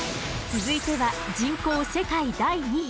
続いては人口世界第２位。